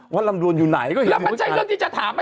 วัดลำดวนอยู่ไหนก็เห็นหมดทั้งคันแล้วมันใช่เรื่องที่จะถาม